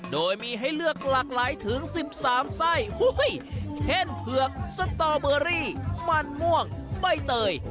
โดยมีให้เลือกหลากหลายถึง๑๓ไส้เช่นเผือกสตอเบอรี่มันม่วงใบเตย